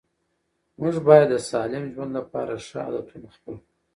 موږ باید د سالم ژوند لپاره ښه عادتونه خپل کړو